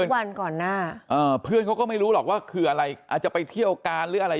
วันก่อนหน้าเพื่อนเขาก็ไม่รู้หรอกว่าคืออะไรอาจจะไปเที่ยวการหรืออะไร